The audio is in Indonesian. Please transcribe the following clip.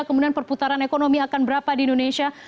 kemudian perputaran ekonomi akan berapa di indonesia